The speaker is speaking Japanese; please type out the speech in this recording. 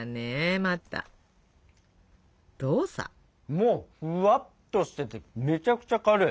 もうふわっとしててめちゃくちゃ軽い。